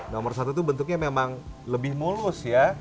nomor satu itu bentuknya memang lebih mulus ya